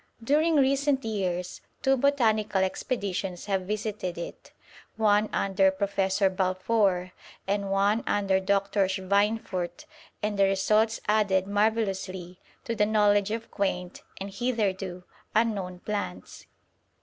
During recent years two botanical expeditions have visited it, one under Professor Balfour, and one under Dr. Schweinfurth, and the results added marvellously to the knowledge of quaint and hitherto unknown plants.